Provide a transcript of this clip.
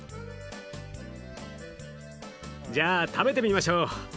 じゃあ食べてみましょう。